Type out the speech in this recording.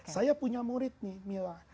saya punya murid nih mila